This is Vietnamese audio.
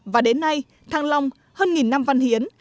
và đến nay thăng long hơn nghìn năm văn hiến